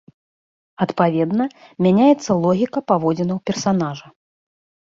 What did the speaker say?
Адпаведна, мяняецца логіка паводзінаў персанажа.